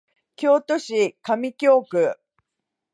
京都市上京区